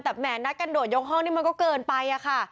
แต่แหมนัดกันโดดยกห้องนี่มันก็เกินไปอะค่ะ